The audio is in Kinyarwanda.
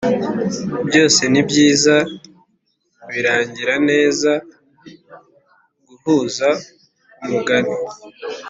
byose nibyiza birangira neza guhuza umugani